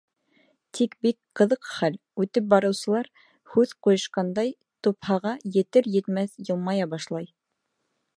Тик бик ҡыҙыҡ хәл, үтеп барыусылар, һүҙ ҡуйышҡандай, тупһаға етер-етмәҫтән йылмая башлай.